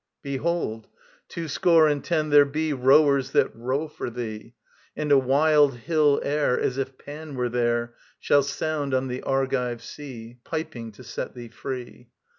Behold, [STROPHE 2.] Two score and ten there be Rowers that row for thee, And a wild hill air, as if Pan were there, Shall sound on the Argive sea, Piping to set thee free.